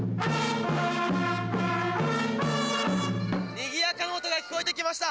にぎやかな音が聞こえてきました。